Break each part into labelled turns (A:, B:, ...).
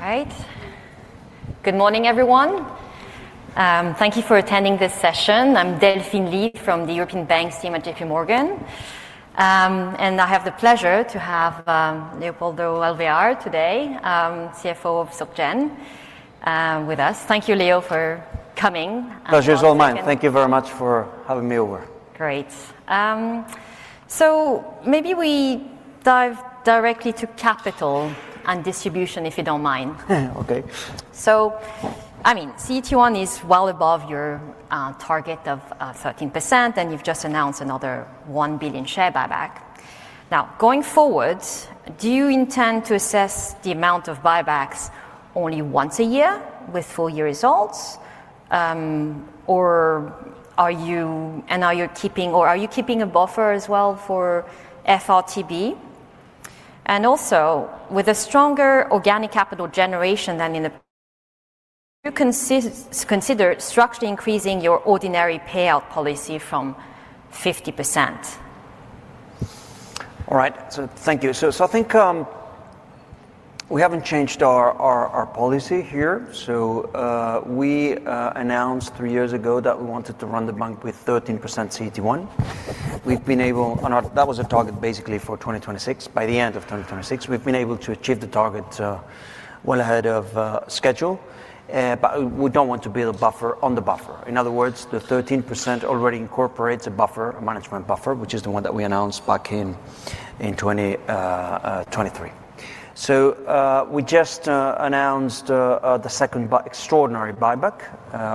A: All right. Good morning, everyone. Thank you for attending this session. I'm Delphine Lee from the European Banks team at J.P. Morgan. I have the pleasure to have Leopoldo Alvear today, CFO of SocGen, with us. Thank you, Leo, for coming.
B: Pleasure's all mine. Thank you very much for having me over.
A: Great. So maybe we dive directly to capital and distribution, if you don't mind.
B: Okay.
A: I mean, CT1 is well above your target of 13%, and you've just announced another 1 billion share buyback. Now, going forward, do you intend to assess the amount of buybacks only once a year with full-year results, or are you—are you keeping a buffer as well for FRTB? Also, with a stronger organic capital generation than in the past, do you consider structurally increasing your ordinary payout policy from 50%?
B: All right. Thank you. I think we haven't changed our policy here. We announced three years ago that we wanted to run the bank with 13% CT1. We have been able—and that was a target, basically, for 2026, by the end of 2026. We have been able to achieve the target well ahead of schedule. We do not want to build a buffer on the buffer. In other words, the 13% already incorporates a buffer, a management buffer, which is the one that we announced back in 2023. We just announced the second extraordinary buyback,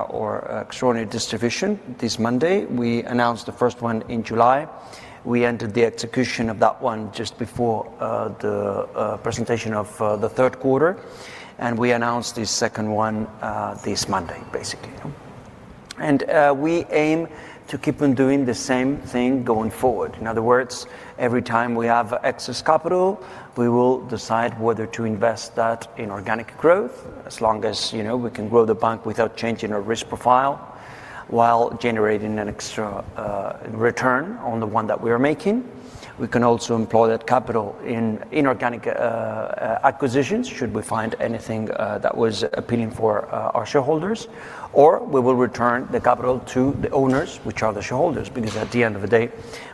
B: or extraordinary distribution, this Monday. We announced the first one in July. We entered the execution of that one just before the presentation of the third quarter. We announced this second one this Monday, basically. We aim to keep on doing the same thing going forward. In other words, every time we have excess capital, we will decide whether to invest that in organic growth, as long as, you know, we can grow the bank without changing our risk profile while generating an extra return on the one that we are making. We can also employ that capital in inorganic acquisitions should we find anything that was appealing for our shareholders. We will return the capital to the owners, which are the shareholders, because at the end of the day,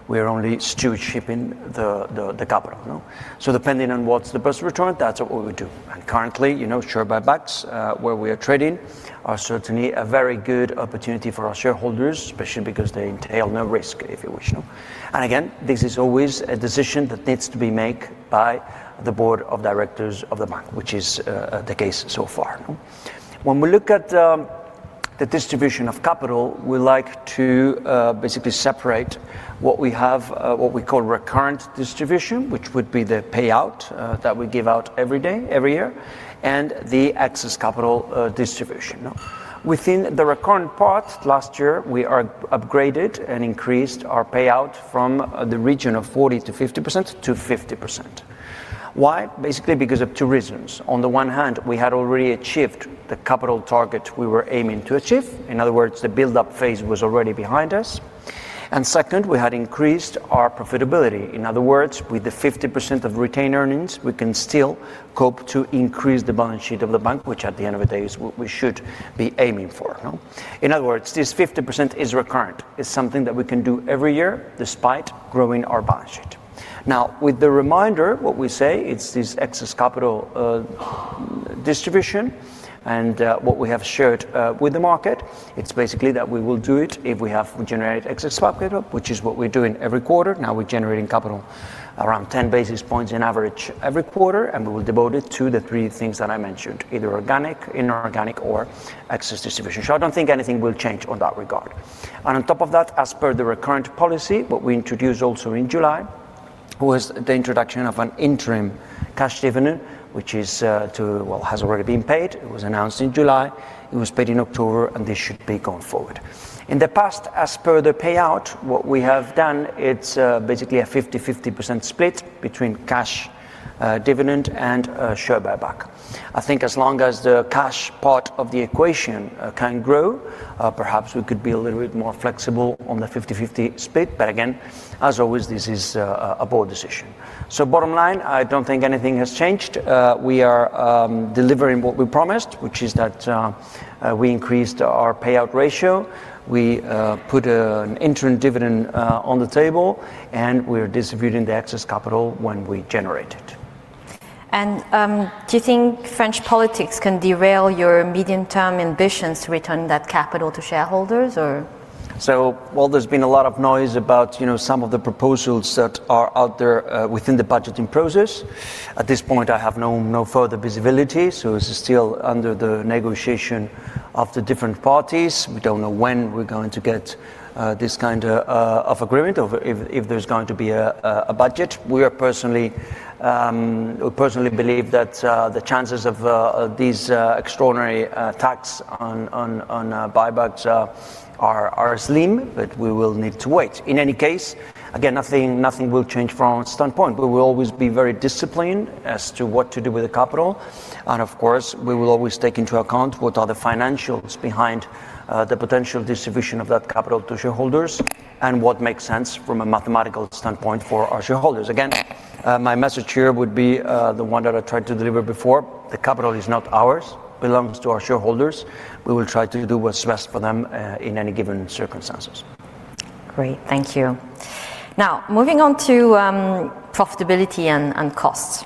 B: we are only stewardshipping the capital, no? Depending on what's the best return, that's what we do. Currently, you know, share buybacks, where we are trading, are certainly a very good opportunity for our shareholders, especially because they entail no risk, if you wish, no? This is always a decision that needs to be made by the board of directors of the bank, which is the case so far, no? When we look at the distribution of capital, we like to basically separate what we have, what we call recurrent distribution, which would be the payout that we give out every year, and the excess capital distribution, no? Within the recurrent part, last year, we upgraded and increased our payout from the region of 40%-50% to 50%. Why? Basically because of two reasons. On the one hand, we had already achieved the capital target we were aiming to achieve. In other words, the build-up phase was already behind us. Second, we had increased our profitability. In other words, with the 50% of retained earnings, we can still cope to increase the balance sheet of the bank, which at the end of the day is what we should be aiming for, no? In other words, this 50% is recurrent. It's something that we can do every year despite growing our balance sheet. Now, with the reminder, what we say is this excess capital, distribution and, what we have shared, with the market, it's basically that we will do it if we have generated excess capital, which is what we're doing every quarter. Now we're generating capital around 10 basis points in average every quarter, and we will devote it to the three things that I mentioned, either organic, inorganic, or excess distribution. I don't think anything will change on that regard. On top of that, as per the recurrent policy, what we introduced also in July was the introduction of an interim cash revenue, which is, to, has already been paid. It was announced in July. It was paid in October, and this should be going forward. In the past, as per the payout, what we have done is, basically a 50%-50% split between cash, dividend and, share buyback. I think as long as the cash part of the equation, can grow, perhaps we could be a little bit more flexible on the 50/50 split. Again, as always, this is, a board decision. Bottom line, I do not think anything has changed. We are, delivering what we promised, which is that, we increased our payout ratio. We, put an interim dividend, on the table, and we are distributing the excess capital when we generate it.
A: Do you think French politics can derail your medium-term ambitions to return that capital to shareholders, or?
B: There has been a lot of noise about, you know, some of the proposals that are out there, within the budgeting process. At this point, I have no, no further visibility. It is still under the negotiation of the different parties. We do not know when we are going to get this kind of agreement or if there is going to be a budget. We personally believe that the chances of these extraordinary tax on buybacks are slim, but we will need to wait. In any case, again, nothing will change from our standpoint. We will always be very disciplined as to what to do with the capital. Of course, we will always take into account what are the financials behind the potential distribution of that capital to shareholders and what makes sense from a mathematical standpoint for our shareholders. Again, my message here would be, the one that I tried to deliver before. The capital is not ours. It belongs to our shareholders. We will try to do what's best for them, in any given circumstances.
A: Great. Thank you. Now, moving on to profitability and costs.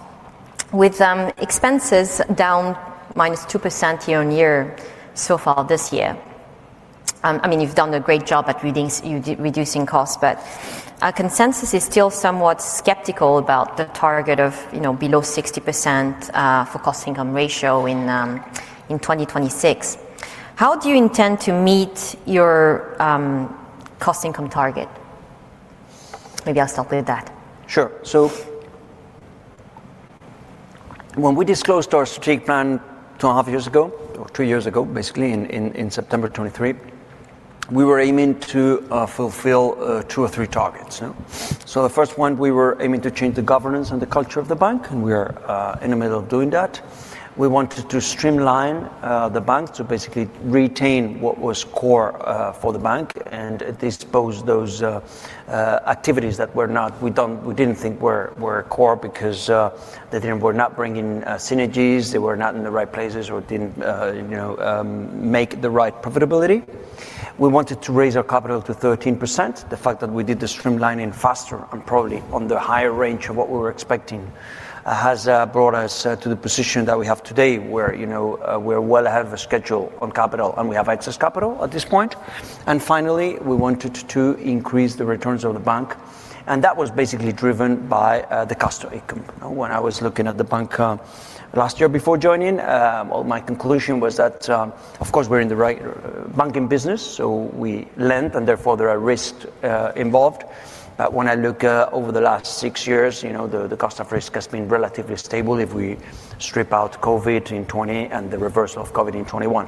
A: With expenses down minus 2% year on year so far this year, I mean, you've done a great job at reducing costs, but our consensus is still somewhat skeptical about the target of, you know, below 60% for cost-income ratio in 2026. How do you intend to meet your cost-income target? Maybe I'll start with that.
B: Sure. When we disclosed our strategic plan two and a half years ago, or two years ago, basically in September 2023, we were aiming to fulfill two or three targets, no? The first one, we were aiming to change the governance and the culture of the bank, and we are in the middle of doing that. We wanted to streamline the bank to basically retain what was core for the bank and dispose those activities that were not, we did not think were core because they were not bringing synergies. They were not in the right places or did not, you know, make the right profitability. We wanted to raise our capital to 13%. The fact that we did the streamlining faster and probably on the higher range of what we were expecting has brought us to the position that we have today where, you know, we're well ahead of the schedule on capital and we have excess capital at this point. Finally, we wanted to increase the returns of the bank. That was basically driven by the cost of income. When I was looking at the bank last year before joining, my conclusion was that, of course, we're in the right banking business, so we lend, and therefore there are risks involved. When I look over the last six years, you know, the cost of risk has been relatively stable if we strip out COVID in 2020 and the reversal of COVID in 2021.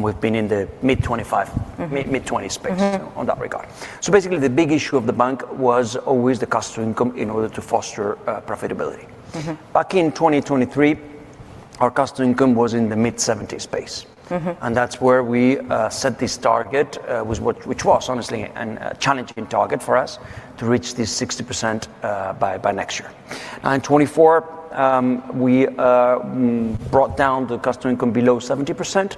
B: We've been in the mid-25, mid-20 space on that regard. Basically, the big issue of the bank was always the cost-income in order to foster profitability. Back in 2023, our cost-income was in the mid-70 space. That is where we set this target, which was, honestly, a challenging target for us to reach this 60% by next year. Now, in 2024, we brought down the cost-income below 70%.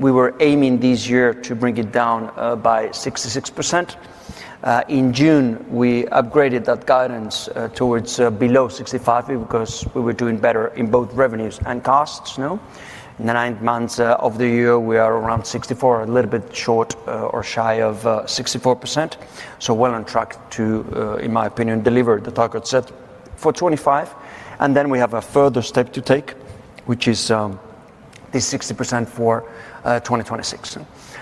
B: We were aiming this year to bring it down by 66%. In June, we upgraded that guidance towards below 65% because we were doing better in both revenues and costs, no? In the ninth month of the year, we are around 64%, a little bit short, or shy of 64%. Well on track to, in my opinion, deliver the target set for 2025. We have a further step to take, which is this 60% for 2026.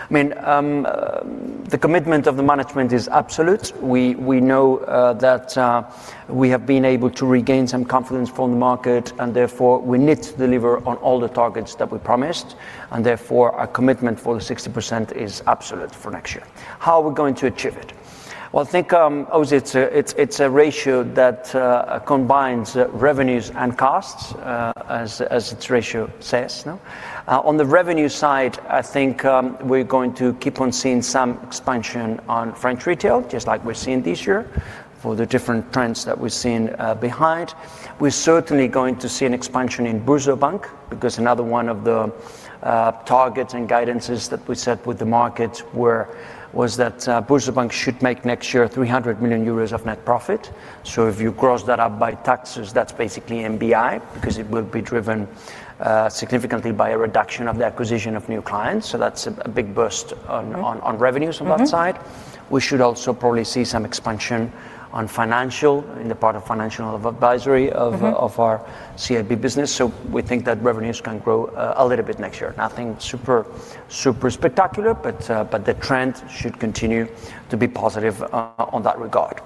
B: I mean, the commitment of the management is absolute. We know that we have been able to regain some confidence from the market, and therefore we need to deliver on all the targets that we promised. Therefore, our commitment for the 60% is absolute for next year. How are we going to achieve it? I think, obviously, it's a ratio that combines revenues and costs, as its ratio says, no? On the revenue side, I think we're going to keep on seeing some expansion on French retail, just like we're seeing this year for the different trends that we've seen behind. We're certainly going to see an expansion in BoursoBank because another one of the targets and guidances that we set with the markets was that BoursoBank should make next year 300 million euros of net profit. If you gross that up by taxes, that's basically MBI because it will be driven significantly by a reduction of the acquisition of new clients. That's a big burst on revenues on that side. We should also probably see some expansion in the part of financial advisory of our CIB business. We think that revenues can grow a little bit next year. Nothing super spectacular, but the trend should continue to be positive in that regard.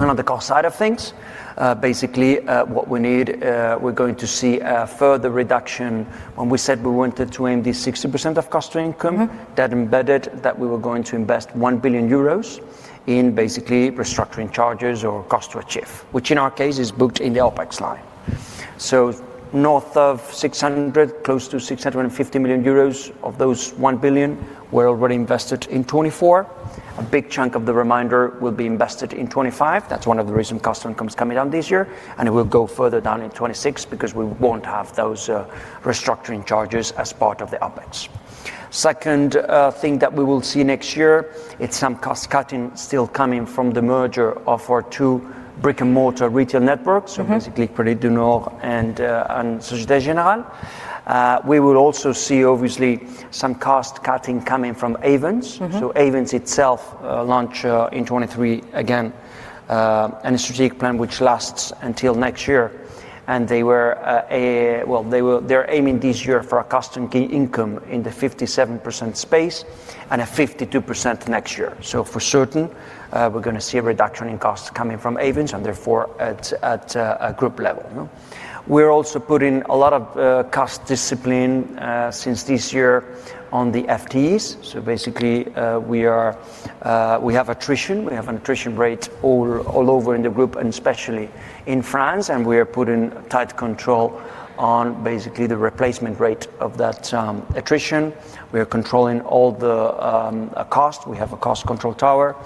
B: On the cost side of things, what we need, we're going to see a further reduction. When we said we wanted to aim for this 60% cost-income ratio, that embedded that we were going to invest 1 billion euros in restructuring charges or cost to achieve, which in our case is booked in the OpEx line. Of 600 million, close to 650 million euros of those 1 billion were already invested in 2024. A big chunk of the remainder will be invested in 2025. That is one of the reasons cost-income is coming down this year. It will go further down in 2026 because we will not have those restructuring charges as part of the OpEx. Second, thing that we will see next year, it is some cost cutting still coming from the merger of our two brick-and-mortar retail networks, so basically Crédit du Nord and Société Générale. We will also see, obviously, some cost cutting coming from Ayvens. Ayvens itself launched in 2023, again, a strategic plan which lasts until next year. They are aiming this year for a cost-income in the 57% space and a 52% next year. For certain, we're going to see a reduction in costs coming from Ayvens and therefore at a group level, no? We're also putting a lot of cost discipline, since this year on the FTEs. Basically, we have attrition. We have an attrition rate all over in the group, and especially in France. We are putting tight control on basically the replacement rate of that attrition. We are controlling all the costs. We have a cost control tower.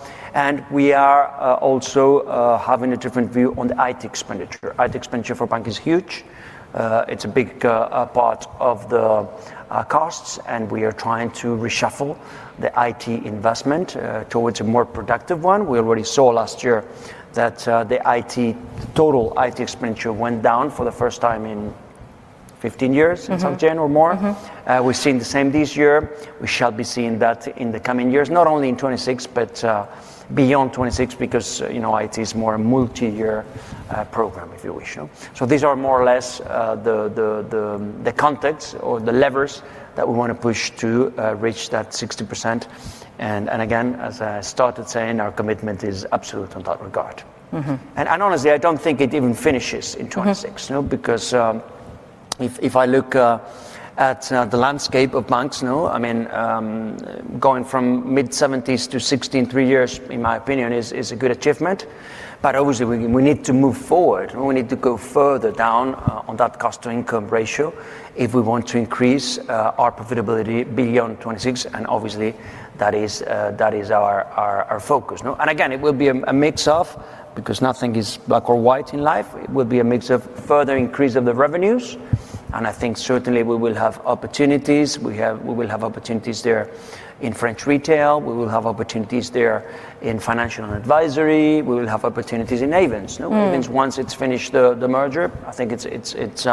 B: We are also having a different view on the IT expenditure. IT expenditure for bank is huge. It's a big part of the costs. We are trying to reshuffle the IT investment towards a more productive one. We already saw last year that the total IT expenditure went down for the first time in 15 years in some chain or more. We've seen the same this year. We shall be seeing that in the coming years, not only in 2026, but beyond 2026 because, you know, IT is more a multi-year program, if you wish, no? These are more or less the context or the levers that we want to push to reach that 60%. Again, as I started saying, our commitment is absolute on that regard. Honestly, I do not think it even finishes in 2026, no? Because, if I look at the landscape of banks, no? I mean, going from mid-70s to 60 in three years, in my opinion, is a good achievement. Obviously, we need to move forward. We need to go further down on that cost-income ratio if we want to increase our profitability beyond 2026. Obviously, that is our focus, no? It will be a mix of, because nothing is black or white in life, it will be a mix of further increase of the revenues. I think certainly we will have opportunities. We have, we will have opportunities there in French retail. We will have opportunities there in financial and advisory. We will have opportunities in Ayvens, no? Ayvens, once it is finished, the merger, I think it is, it is,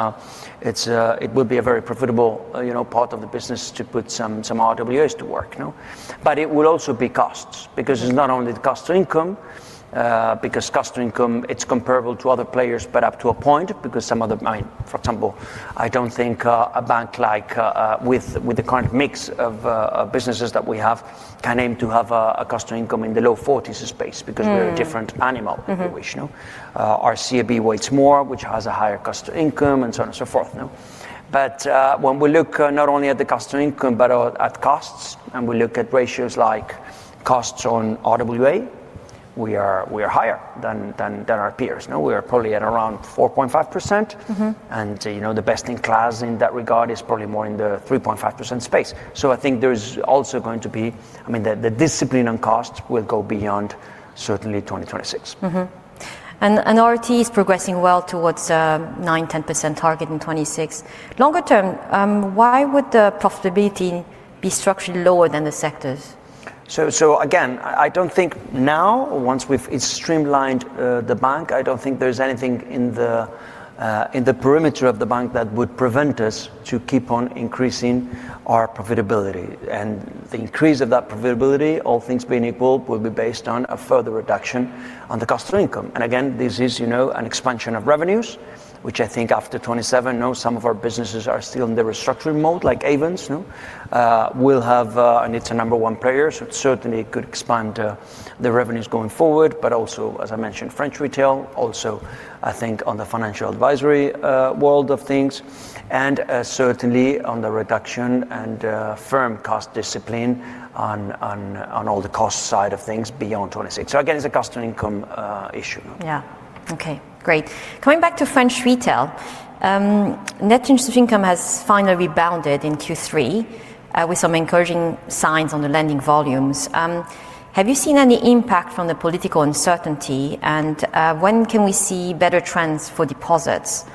B: it is, it will be a very profitable, you know, part of the business to put some, some RWAs to work, no? It will also be costs because it's not only the cost of income, because cost of income, it's comparable to other players, but up to a point because some other, I mean, for example, I don't think, a bank like, with, with the current mix of businesses that we have can aim to have a cost of income in the low 40s space because we're a different animal, if you wish, no? Our CIB weighs more, which has a higher cost of income and so on and so forth, no? When we look not only at the cost of income, but at costs, and we look at ratios like costs on RWA, we are higher than our peers, no? We are probably at around 4.5%. And, you know, the best in class in that regard is probably more in the 3.5% space. I think there's also going to be, I mean, the discipline on costs will go beyond certainly 2026.
A: RT is progressing well towards a 9%-10% target in 2026. Longer term, why would the profitability be structurally lower than the sector's?
B: I don't think now, once we've streamlined the bank, I don't think there's anything in the perimeter of the bank that would prevent us to keep on increasing our profitability. The increase of that profitability, all things being equal, will be based on a further reduction on the cost-income. This is, you know, an expansion of revenues, which I think after 2027, no? Some of our businesses are still in the restructuring mode like Ayvens, no? We'll have, and it's a number one player, so it certainly could expand the revenues going forward, but also, as I mentioned, French retail, also I think on the financial advisory world of things, and certainly on the reduction and firm cost discipline on all the cost side of things beyond 2026. Again, it's a cost-income issue.
A: Yeah. Okay. Great. Coming back to French retail, net income has finally rebounded in Q3, with some encouraging signs on the lending volumes. Have you seen any impact from the political uncertainty? When can we see better trends for deposits?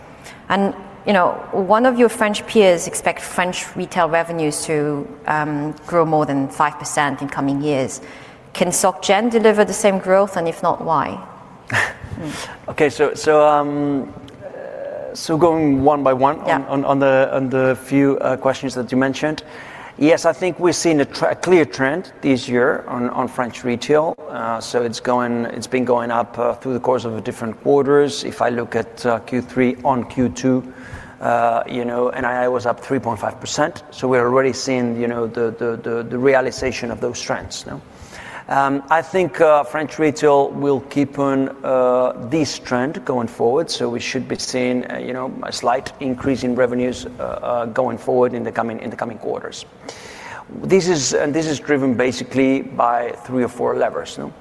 A: You know, one of your French peers expects French retail revenues to grow more than 5% in coming years. Can SocGen deliver the same growth? If not, why?
B: Okay. Going one by one on the few questions that you mentioned, yes, I think we've seen a clear trend this year on French retail. It's been going up through the course of different quarters. If I look at Q3 on Q2, you know, NII was up 3.5%. So we're already seeing, you know, the realization of those trends, no? I think French retail will keep on this trend going forward. We should be seeing, you know, a slight increase in revenues going forward in the coming quarters. This is driven basically by three or four levers, no?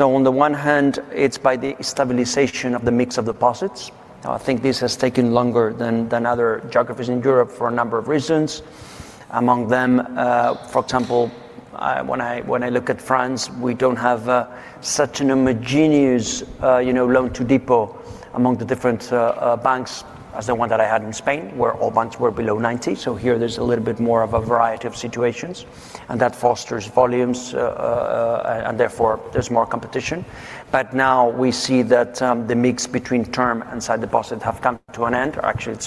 B: On the one hand, it's by the stabilization of the mix of deposits. I think this has taken longer than other geographies in Europe for a number of reasons. Among them, for example, when I look at France, we don't have such a homogeneous, you know, loan to deposit among the different banks as the one that I had in Spain where all banks were below 90. Here there's a little bit more of a variety of situations. That fosters volumes, and therefore there's more competition. Now we see that the mix between term and sight deposit have come to an end. Actually,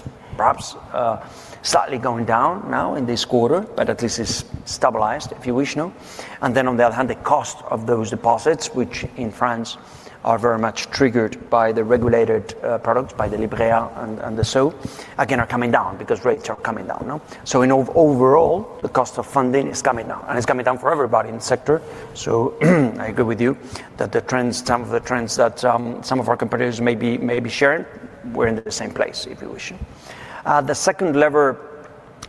B: it's perhaps slightly going down now in this quarter, but at least it's stabilized, if you wish, no? On the other hand, the cost of those deposits, which in France are very much triggered by the regulated products, by the Livret A and the so, again, are coming down because rates are coming down, no? In overall, the cost of funding is coming down. It is coming down for everybody in the sector. I agree with you that the trends, some of the trends that some of our competitors may be sharing, we are in the same place, if you wish. The second lever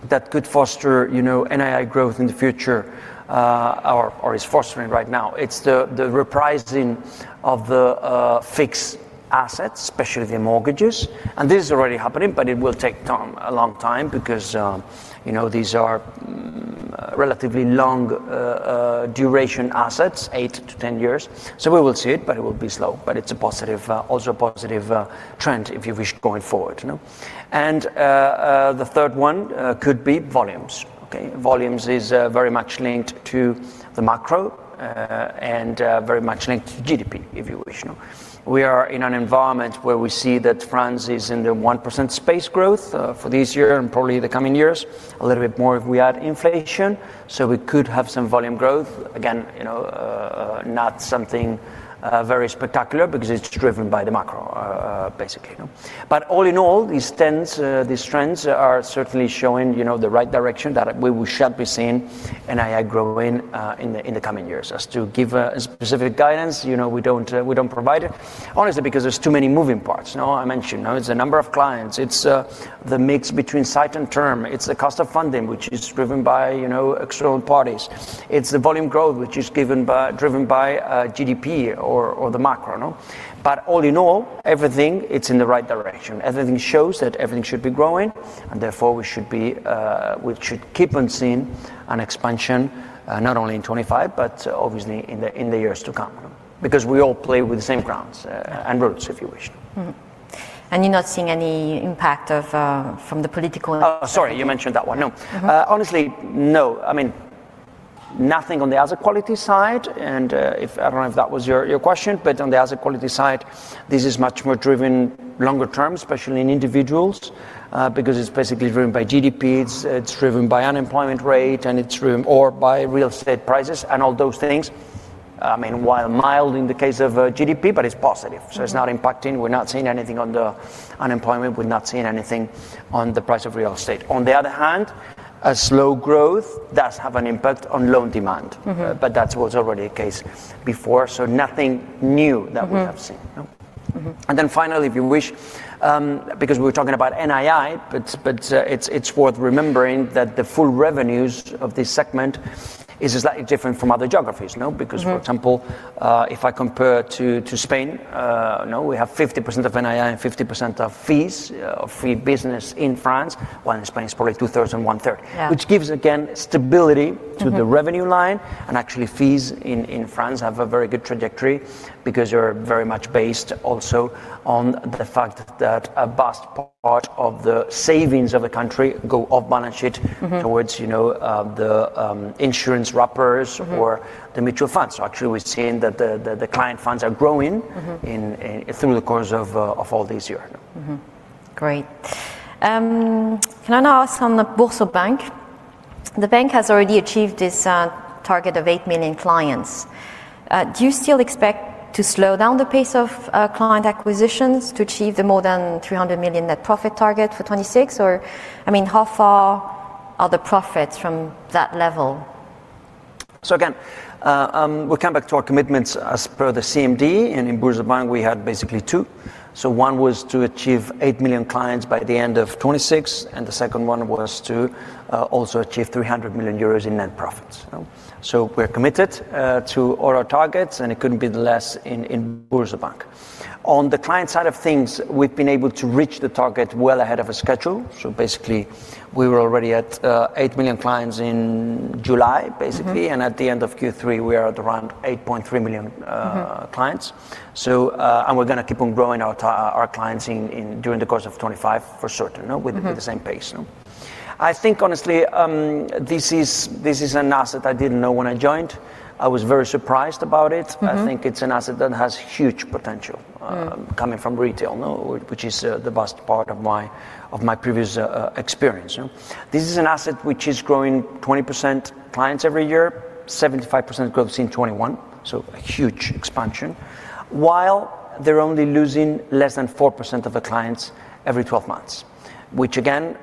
B: that could foster, you know, NII growth in the future, or is fostering right now, is the repricing of the fixed assets, especially the mortgages. This is already happening, but it will take a long time because, you know, these are relatively long duration assets, 8-10 years. We will see it, but it will be slow. It is also a positive trend, if you wish, going forward, no? The third one could be volumes. Volumes is very much linked to the macro, and very much linked to GDP, if you wish, no? We are in an environment where we see that France is in the 1% space growth, for this year and probably the coming years, a little bit more if we add inflation. We could have some volume growth. Again, you know, not something very spectacular because it's driven by the macro, basically, no? All in all, these trends, these trends are certainly showing, you know, the right direction that we shall be seeing NII growing, in the, in the coming years. As to give a specific guidance, you know, we don't, we don't provide it, honestly, because there's too many moving parts, no? I mentioned, no? It's the number of clients. It's the mix between site and term. It's the cost of funding, which is driven by, you know, external parties. It's the volume growth, which is given by, driven by, GDP or, or the macro, no? All in all, everything, it's in the right direction. Everything shows that everything should be growing. Therefore, we should keep on seeing an expansion, not only in 2025, but obviously in the years to come, no? Because we all play with the same grounds and roots, if you wish.
A: You're not seeing any impact of, from the political.
B: Oh, sorry, you mentioned that one, no? Honestly, no. I mean, nothing on the asset quality side. If I do not know if that was your question, but on the asset quality side, this is much more driven longer term, especially in individuals, because it is basically driven by GDP. It is driven by unemployment rate, and it is driven by real estate prices and all those things. I mean, while mild in the case of GDP, but it is positive. It is not impacting. We are not seeing anything on the unemployment. We are not seeing anything on the price of real estate. On the other hand, a slow growth does have an impact on loan demand. That was already the case before. Nothing new that we have seen, no? Finally, if you wish, because we were talking about NII, but it is worth remembering that the full revenues of this segment is slightly different from other geographies, no? For example, if I compare to Spain, you know, we have 50% of NII and 50% of fees, of free business in France. In Spain, it is probably 2,000, one-third, which gives, again, stability to the revenue line. Actually, fees in France have a very good trajectory because they are very much based also on the fact that a vast part of the savings of a country go off balance sheet towards, you know, the insurance wrappers or the mutual funds. Actually, we are seeing that the client funds are growing in through the course of all this year, no?
A: Great. Can I now ask on the BoursoBank? The bank has already achieved this target of 8 million clients. Do you still expect to slow down the pace of client acquisitions to achieve the more than 300 million net profit target for 2026? I mean, how far are the profits from that level?
B: Again, we'll come back to our commitments as per the CMD. In BoursoBank, we had basically two. One was to achieve 8 million clients by the end of 2026. The second one was to also achieve 300 million euros in net profits, no? We're committed to all our targets. It couldn't be less in BoursoBank. On the client side of things, we've been able to reach the target well ahead of our schedule. We were already at 8 million clients in July, basically. At the end of Q3, we are at around 8.3 million clients. We're going to keep on growing our clients during the course of 2025 for certain, no? With the same pace, no? I think, honestly, this is an asset I didn't know when I joined. I was very surprised about it. I think it's an asset that has huge potential, coming from retail, no? Which is the best part of my, of my previous experience, no? This is an asset which is growing 20% clients every year, 75% growth in 2021. A huge expansion, while they're only losing less than 4% of the clients every 12 months, which again,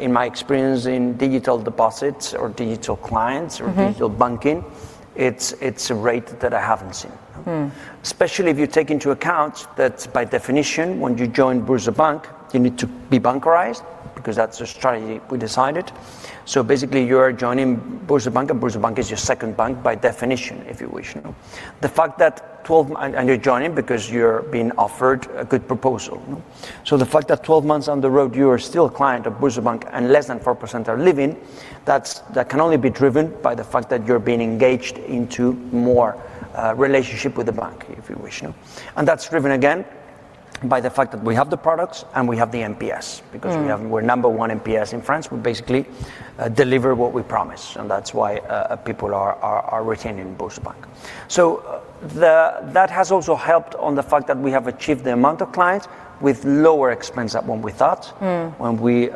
B: in my experience in digital deposits or digital clients or digital banking, it's a rate that I haven't seen, no? Especially if you take into account that by definition, when you join BoursoBank, you need to be bankerised because that's a strategy we decided. Basically, you are joining BoursoBank, and BoursoBank is your second bank by definition, if you wish, no? The fact that 12, and you're joining because you're being offered a good proposal, no? The fact that 12 months on the road, you are still a client of BoursoBank and less than 4% are leaving, that can only be driven by the fact that you are being engaged into more relationship with the bank, if you wish, no? That is driven again by the fact that we have the products and we have the NPS because we are number one NPS in France. We basically deliver what we promise. That is why people are retaining BoursoBank. That has also helped on the fact that we have achieved the amount of clients with lower expense than what we thought. When we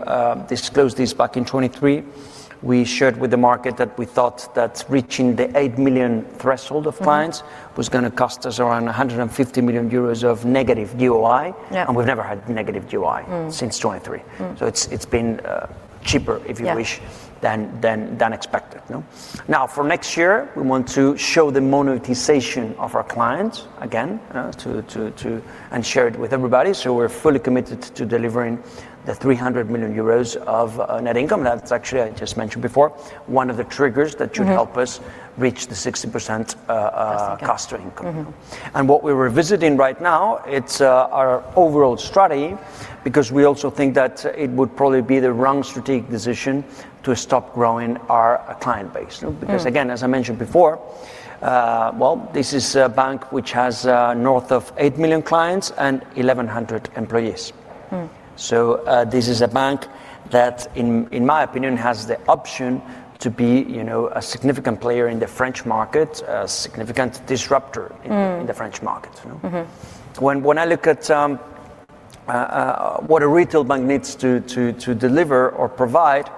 B: disclosed this back in 2023, we shared with the market that we thought that reaching the 8 million threshold of clients was going to cost us around 150 million euros of negative DOI. We have never had negative DOI since 2023. It has been cheaper, if you wish, than expected, no? Now, for next year, we want to show the monetization of our clients again, to, and share it with everybody. We are fully committed to delivering the 300 million euros of net income. That is actually, I just mentioned before, one of the triggers that should help us reach the 60% cost-income, no? What we are revisiting right now is our overall strategy because we also think that it would probably be the wrong strategic decision to stop growing our client base, no? Because again, as I mentioned before, this is a bank which has north of 8 million clients and 1,100 employees. This is a bank that, in my opinion, has the option to be, you know, a significant player in the French market, a significant disruptor in the French market, no? When I look at what a retail bank needs to deliver or provide,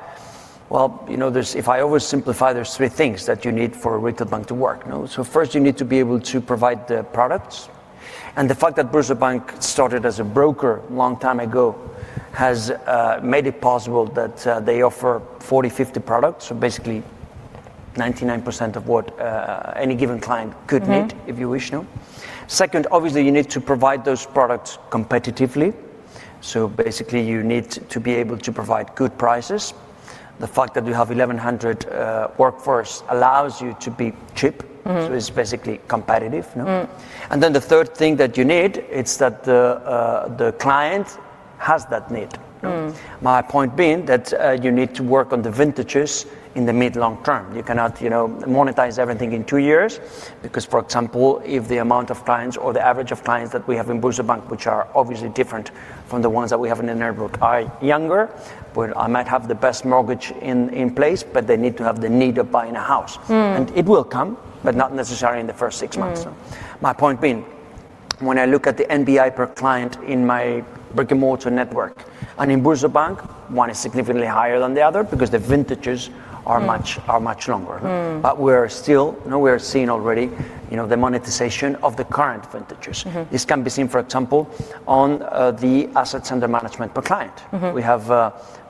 B: you know, if I oversimplify, there are three things that you need for a retail bank to work, no? First, you need to be able to provide the products. The fact that BoursoBank started as a broker a long time ago has made it possible that they offer 40-50 products. Basically, 99% of what any given client could need, if you wish, no? Second, obviously, you need to provide those products competitively. Basically, you need to be able to provide good prices. The fact that you have 1,100 workforce allows you to be cheap. It is basically competitive, no? The third thing that you need is that the client has that need, no? My point being that you need to work on the vintages in the mid-long term. You cannot, you know, monetize everything in two years because, for example, if the amount of clients or the average of clients that we have in BoursoBank, which are obviously different from the ones that we have in the neighborhood, are younger, but I might have the best mortgage in place, but they need to have the need of buying a house. It will come, but not necessarily in the first six months, no? My point being, when I look at the NBI per client in my brick-and-mortar network and in BoursoBank, one is significantly higher than the other because the vintages are much, are much longer, no? We're still, you know, we're seeing already, you know, the monetization of the current vintages. This can be seen, for example, on the assets under management per client. We have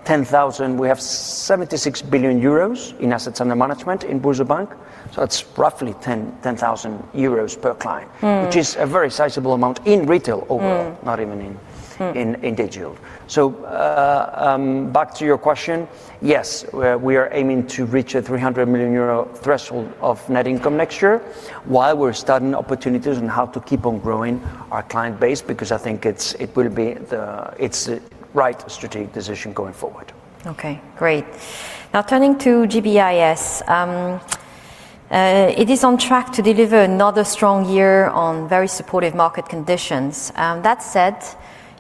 B: 10,000, we have 76 billion euros in assets under management in BoursoBank. That's roughly 10,000 euros per client, which is a very sizable amount in retail overall, not even in, in, in digital. Back to your question, yes, we are aiming to reach an 300 million euro threshold of net income next year while we're studying opportunities on how to keep on growing our client base because I think it's, it will be the, it's the right strategic decision going forward.
A: Okay, great. Now turning to GBIS, it is on track to deliver another strong year on very supportive market conditions. That said,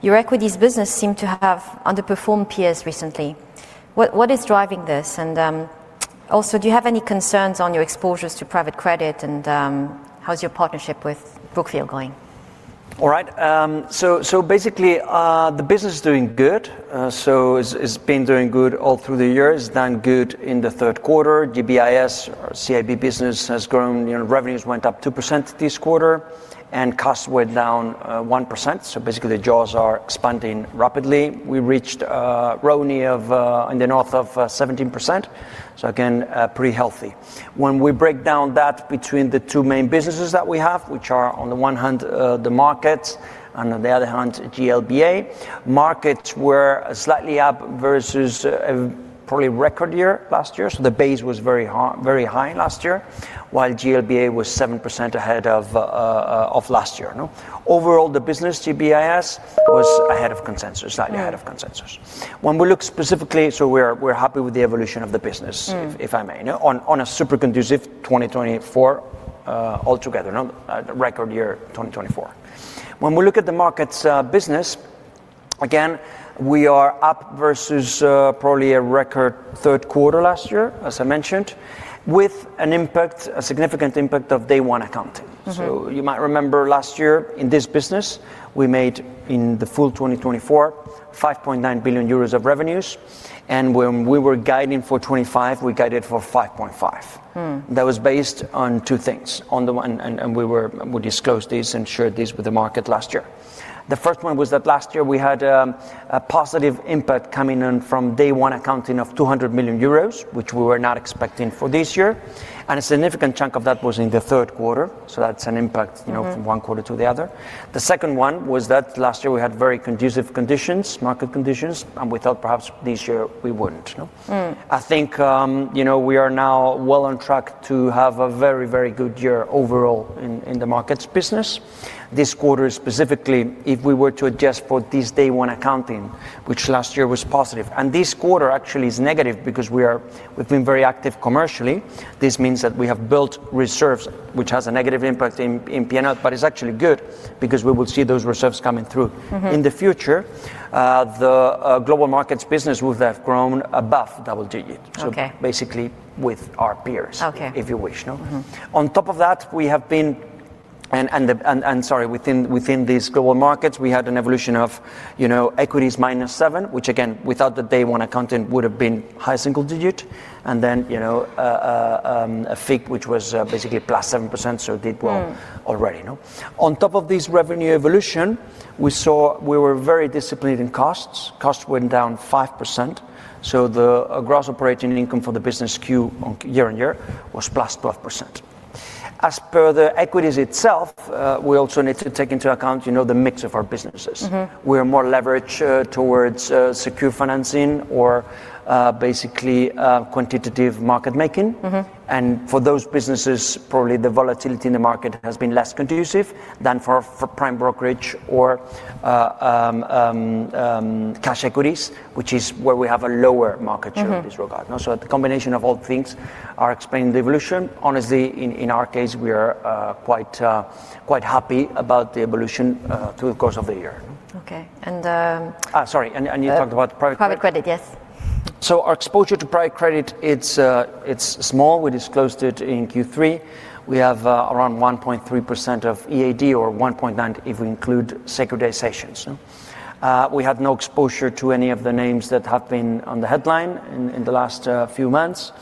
A: your equities business seem to have underperformed peers recently. What is driving this? Also, do you have any concerns on your exposures to private credit? How's your partnership with Brookfield going?
B: All right. So, basically, the business is doing good. So it's been doing good all through the year. It's done good in the third quarter. GBIS, CIB business has grown, you know, revenues went up 2% this quarter and costs went down 1%. So basically, the jaws are expanding rapidly. We reached, Romney of, in the north of 17%. So again, pretty healthy. When we break down that between the two main businesses that we have, which are on the one hand, the markets and on the other hand, GLBA, markets were slightly up versus a probably record year last year. So the base was very high, very high last year, while GLBA was 7% ahead of last year, no? Overall, the business, GBIS was ahead of consensus, slightly ahead of consensus. When we look specifically, we are happy with the evolution of the business, if I may, no? On a super conducive 2024, altogether, no? Record year 2024. When we look at the markets business, again, we are up versus probably a record third quarter last year, as I mentioned, with an impact, a significant impact of day one accounting. You might remember last year in this business, we made in the full 2024, 5.9 billion euros of revenues. When we were guiding for 2025, we guided for 5.5 billion. That was based on two things. On the one, we disclosed this and shared this with the market last year. The first one was that last year we had a positive impact coming in from day one accounting of 200 million euros, which we were not expecting for this year. A significant chunk of that was in the third quarter. That is an impact, you know, from one quarter to the other. The second one was that last year we had very conducive conditions, market conditions, and we thought perhaps this year we wouldn't, no? I think, you know, we are now well on track to have a very, very good year overall in, in the markets business. This quarter specifically, if we were to adjust for this day one accounting, which last year was positive, and this quarter actually is negative because we are, we've been very active commercially. This means that we have built reserves, which has a negative impact in, in P&L, but it's actually good because we will see those reserves coming through in the future. The global markets business would have grown above double digit. Basically with our peers, if you wish, no? On top of that, we have been, and the, and sorry, within these global markets, we had an evolution of, you know, equities -7%, which again, without the day one accounting would have been high single digit. And then, you know, a FIC, which was basically +7%. Did well already, no? On top of this revenue evolution, we saw we were very disciplined in costs. Costs went down 5%. The gross operating income for the business Q year-on-year was +12%. As per the equities itself, we also need to take into account, you know, the mix of our businesses. We are more leveraged towards secure financing or, basically, quantitative market making. For those businesses, probably the volatility in the market has been less conducive than for prime brokerage or cash equities, which is where we have a lower market share in this regard, no? The combination of all things are explaining the evolution. Honestly, in our case, we are quite, quite happy about the evolution, through the course of the year.
A: Okay. And.
B: Sorry. You talked about private credit.
A: Private credit, yes.
B: Our exposure to private credit, it's, it's small. We disclosed it in Q3. We have, around 1.3% of EAD or 1.9% if we include securitizations, no? We had no exposure to any of the names that have been on the headline in, in the last, few months.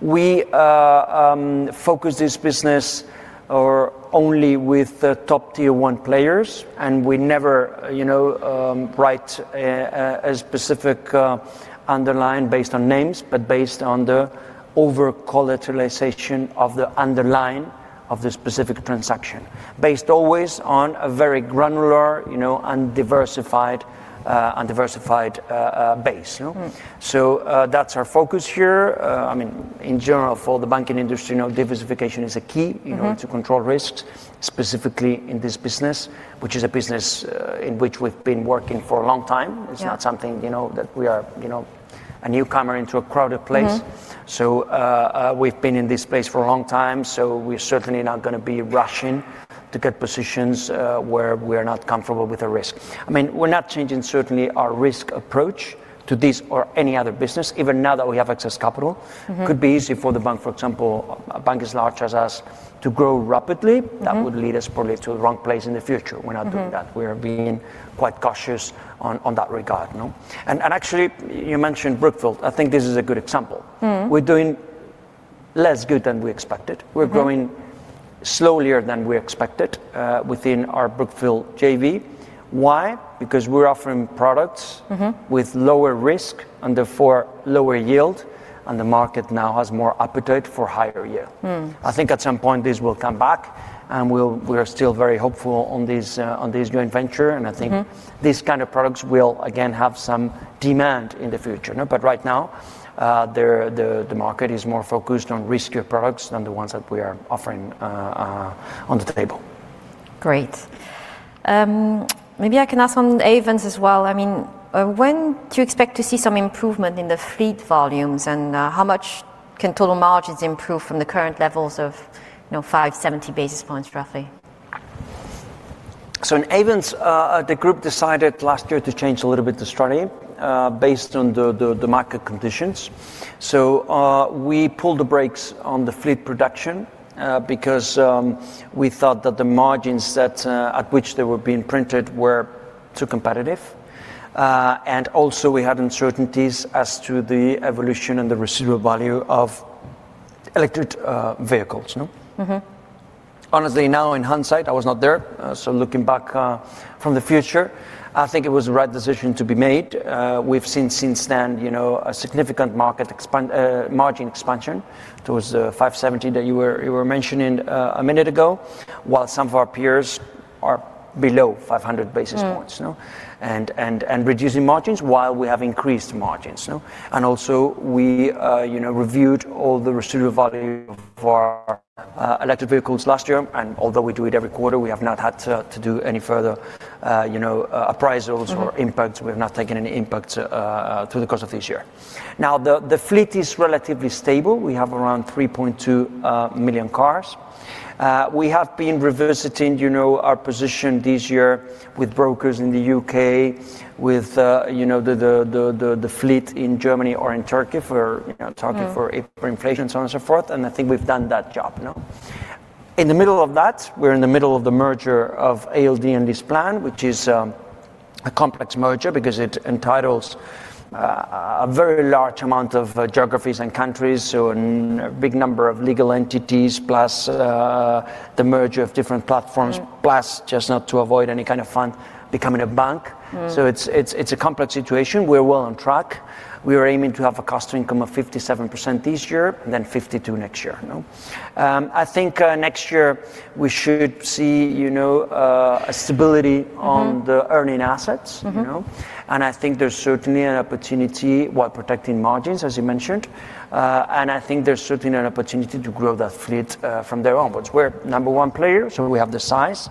B: We, focus this business or only with the top tier one players. And we never, you know, write, a specific, underline based on names, but based on the over-collateralization of the underline of the specific transaction, based always on a very granular, you know, and diversified, and diversified, base, no? That's our focus here. I mean, in general, for the banking industry, you know, diversification is a key, you know, to control risks, specifically in this business, which is a business, in which we've been working for a long time. It's not something, you know, that we are, you know, a newcomer into a crowded place. We've been in this place for a long time. We're certainly not going to be rushing to get positions where we are not comfortable with the risk. I mean, we're not changing certainly our risk approach to this or any other business, even now that we have excess capital. It could be easy for the bank, for example, a bank as large as us, to grow rapidly. That would lead us probably to the wrong place in the future. We're not doing that. We are being quite cautious on that regard, no? Actually, you mentioned Brookfield. I think this is a good example. We're doing less good than we expected. We're growing slowly than we expected, within our Brookfield JV. Why? Because we're offering products with lower risk and therefore lower yield. The market now has more appetite for higher yield. I think at some point this will come back and we are still very hopeful on this, on this joint venture. I think this kind of products will again have some demand in the future, no? Right now, the market is more focused on riskier products than the ones that we are offering, on the table.
A: Great. Maybe I can ask on Ayvens as well. I mean, when do you expect to see some improvement in the fleet volumes and how much can total margins improve from the current levels of, you know, 570 basis points roughly?
B: In Ayvens, the group decided last year to change a little bit the strategy, based on the market conditions. We pulled the brakes on the fleet production, because we thought that the margins at which they were being printed were too competitive, and also we had uncertainties as to the evolution and the residual value of electric vehicles, no?
A: Mm-hmm.
B: Honestly, now in hindsight, I was not there. So looking back, from the future, I think it was the right decision to be made. We've seen since then, you know, a significant market expand, margin expansion towards the 570 that you were, you were mentioning, a minute ago, while some of our peers are below 500 basis points, no? And reducing margins while we have increased margins, no? Also we, you know, reviewed all the residual value of our electric vehicles last year. And although we do it every quarter, we have not had to do any further, you know, appraisals or impacts. We have not taken any impacts through the course of this year. Now, the fleet is relatively stable. We have around 3.2 million cars. We have been revisiting, you know, our position this year with brokers in the U.K., with, you know, the fleet in Germany or in Turkey for, you know, Turkey for inflation, so on and so forth. I think we've done that job, no? In the middle of that, we're in the middle of the merger of ALD and LeasePlan, which is a complex merger because it entitles a very large amount of geographies and countries. A big number of legal entities plus the merger of different platforms plus just not to avoid any kind of fund becoming a bank. It's a complex situation. We're well on track. We are aiming to have a cost-income ratio of 57% this year and then 52% next year, no? I think, next year we should see, you know, a stability on the earning assets, you know? I think there's certainly an opportunity while protecting margins, as you mentioned. I think there's certainly an opportunity to grow that fleet, from there onwards. We're number one player. We have the size,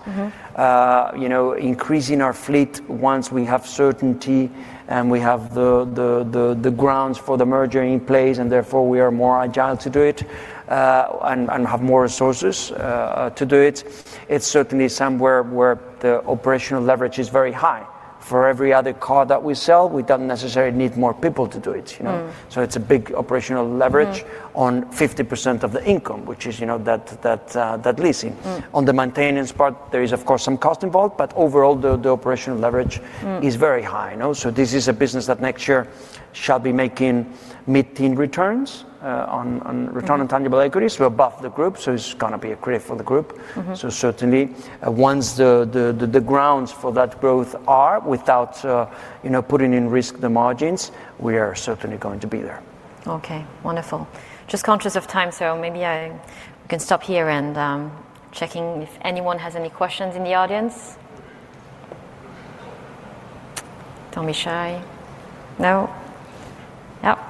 B: you know, increasing our fleet once we have certainty and we have the grounds for the merger in place. Therefore we are more agile to do it, and have more resources, to do it. It's certainly somewhere where the operational leverage is very high. For every other car that we sell, we don't necessarily need more people to do it, you know? It's a big operational leverage on 50% of the income, which is, you know, that leasing. On the maintenance part, there is of course some cost involved, but overall the operational leverage is very high, no? This is a business that next year shall be making mid-teen returns on return on tangible equities. We are above the group, so it is going to be a critic for the group. Certainly, once the grounds for that growth are without, you know, putting in risk the margins, we are certainly going to be there.
A: Okay, wonderful. Just conscious of time, so maybe I can stop here and, checking if anyone has any questions in the audience. Don't be shy, no? Yep, Gigi.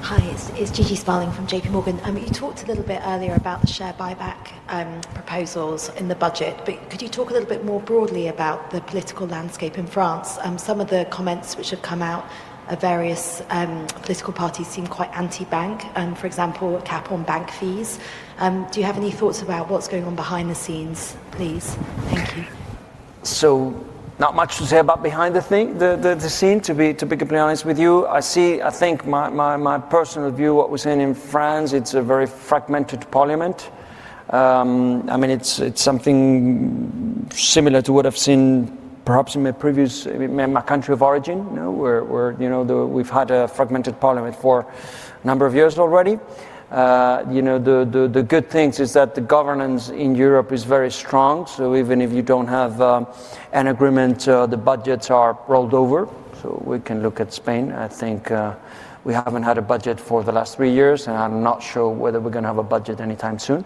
C: Hi, it's Gigi Sparling from J.P. Morgan. You talked a little bit earlier about the share buyback, proposals in the budget, but could you talk a little bit more broadly about the political landscape in France? Some of the comments which have come out of various political parties seem quite anti-bank. For example, cap on bank fees. Do you have any thoughts about what's going on behind the scenes, please? Thank you.
B: Not much to say about behind the scene, to be completely honest with you. I see, I think my personal view, what we're seeing in France, it's a very fragmented parliament. I mean, it's something similar to what I've seen perhaps in my previous, my country of origin, you know, where we've had a fragmented parliament for a number of years already. You know, the good things is that the governance in Europe is very strong. Even if you don't have an agreement, the budgets are rolled over. We can look at Spain. I think we haven't had a budget for the last three years, and I'm not sure whether we're going to have a budget anytime soon.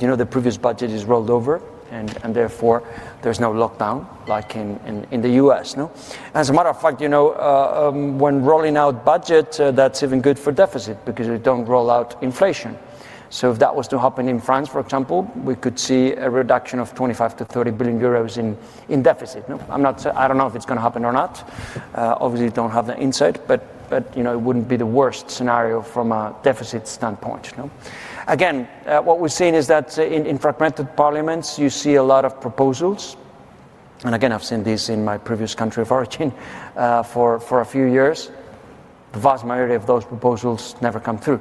B: You know, the previous budget is rolled over, and therefore there's no lockdown like in the U.S., no? As a matter of fact, you know, when rolling out budget, that's even good for deficit because it does not roll out inflation. If that was to happen in France, for example, we could see a reduction of 25 billion-30 billion euros in deficit, no? I don't know if it's going to happen or not. Obviously, I don't have the insight, but, you know, it wouldn't be the worst scenario from a deficit standpoint, no? Again, what we're seeing is that in fragmented parliaments, you see a lot of proposals. Again, I've seen this in my previous country of origin for a few years. The vast majority of those proposals never come through.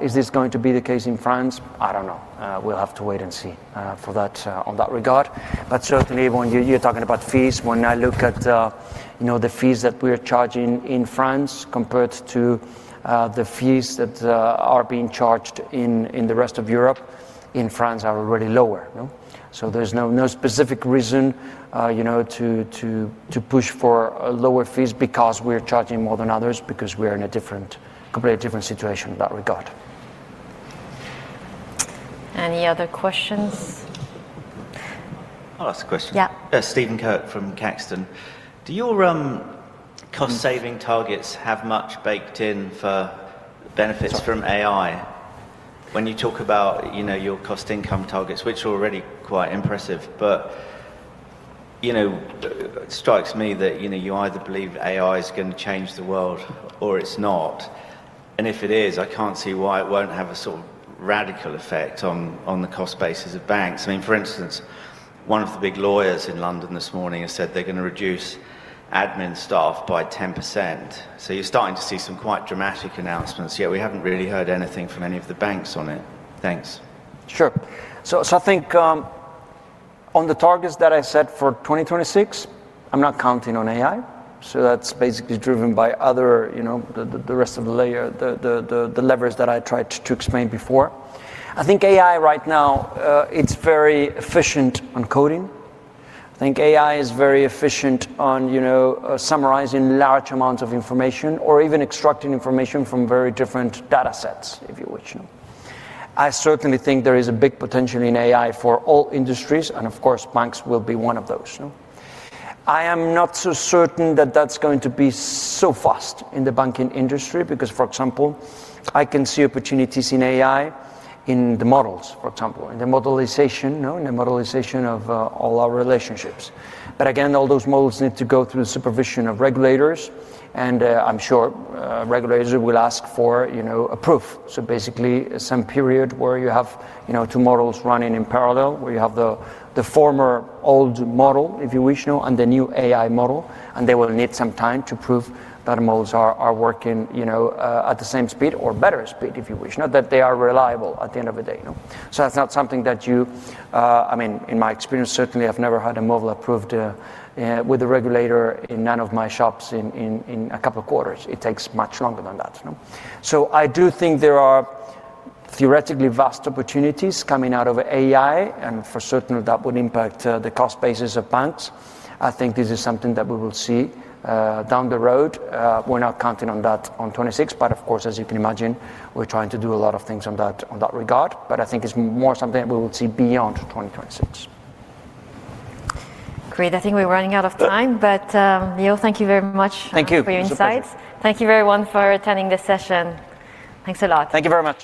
B: Is this going to be the case in France? I don't know. We'll have to wait and see for that, on that regard. Certainly, when you are talking about fees, when I look at, you know, the fees that we are charging in France compared to the fees that are being charged in the rest of Europe, in France are already lower, no? There is no specific reason, you know, to push for lower fees because we are charging more than others because we are in a different, completely different situation in that regard.
A: Any other questions? I'll ask a question. Yeah. Do your cost saving targets have much baked in for benefits from AI when you talk about, you know, your cost income targets, which are already quite impressive? You know, it strikes me that, you know, you either believe AI is going to change the world or it's not. If it is, I can't see why it won't have a sort of radical effect on the cost basis of banks. I mean, for instance, one of the big lawyers in London this morning has said they're going to reduce admin staff by 10%. You are starting to see some quite dramatic announcements. Yet we haven't really heard anything from any of the banks on it. Thanks.
B: Sure. I think, on the targets that I set for 2026, I'm not counting on AI. That's basically driven by other, you know, the rest of the layer, the levers that I tried to explain before. I think AI right now, it's very efficient on coding. I think AI is very efficient on, you know, summarizing large amounts of information or even extracting information from very different data sets, if you wish, no? I certainly think there is a big potential in AI for all industries. Of course, banks will be one of those, no? I am not so certain that that's going to be so fast in the banking industry because, for example, I can see opportunities in AI, in the models, for example, in the modelization, no? In the modelization of all our relationships. All those models need to go through the supervision of regulators. I'm sure regulators will ask for, you know, a proof. Basically, some period where you have, you know, two models running in parallel, where you have the former old model, if you wish, no? And the new AI model. They will need some time to prove that models are working, you know, at the same speed or better speed, if you wish, no? That they are reliable at the end of the day, no? That's not something that you, I mean, in my experience, certainly I've never had a model approved with a regulator in none of my shops in a couple of quarters. It takes much longer than that, no? I do think there are theoretically vast opportunities coming out of AI, and for certain that would impact the cost basis of banks. I think this is something that we will see down the road. We're not counting on that on 2026, but of course, as you can imagine, we're trying to do a lot of things on that, on that regard. I think it's more something that we will see beyond 2026.
A: Great. I think we're running out of time, but, Leo, thank you very much.
B: Thank you.
A: For your insights. Thank you very much for attending the session. Thanks a lot.
B: Thank you very much.